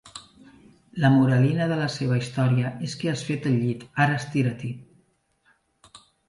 La moralina de la seva història és que has fet el llit, ara estira-t'hi.